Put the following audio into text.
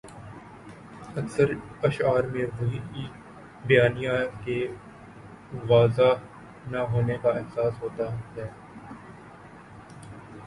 اکثر اشعار میں وہی بیانیہ کے واضح نہ ہونے کا احساس ہوتا ہے۔